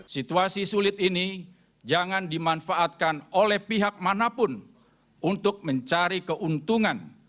situasi sulit ini jangan dimanfaatkan oleh pihak manapun untuk mencari keuntungan